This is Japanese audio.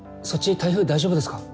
台風大丈夫ですか？